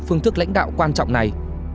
phương thức lãnh đạo quan trọng này